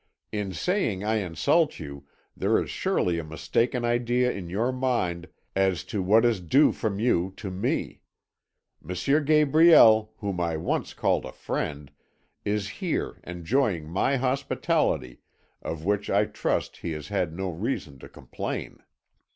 In saying I insult you, there is surely a mistaken idea in your mind as to what is due from you to me. M. Gabriel, whom I once called a friend, is here, enjoying my hospitality, of which I trust he has had no reason to complain.